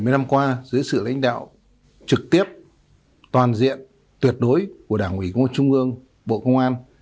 bảy mươi năm qua dưới sự lãnh đạo trực tiếp toàn diện tuyệt đối của đảng ủy công an trung ương bộ công an